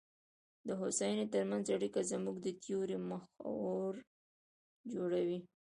د هوساینې ترمنځ اړیکه زموږ د تیورۍ محور جوړوي.